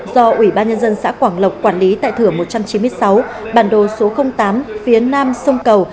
do ủy ban nhân dân xã quảng lộc quản lý tại thửa một trăm chín mươi sáu bản đồ số tám phía nam sông cầu